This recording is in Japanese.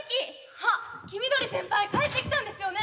あっキミドリ先輩帰ってきたんですよね？